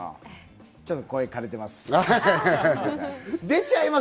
ちょっと声枯れてます。